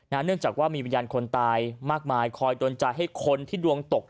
เนื่องจากว่ามีวิญญาณคนตายมากมายคอยโดนใจให้คนที่ดวงตก